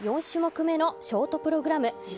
４種目めのショートプログラム。